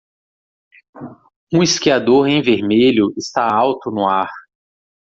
Um esquiador em vermelho está alto no ar.